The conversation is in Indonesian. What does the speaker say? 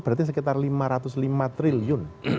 berarti sekitar lima ratus lima triliun